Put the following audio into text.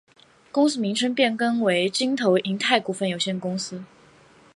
公司名称变更为京投银泰股份有限公司。